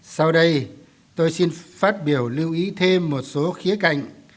sau đây tôi xin phát biểu lưu ý thêm một số khía cạnh